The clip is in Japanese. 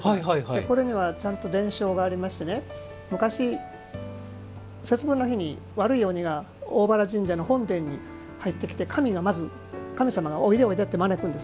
これにはちゃんと伝承がありまして昔、節分の日に大原神社の本殿に入ってきて、神様がおいで、おいでって招くんです。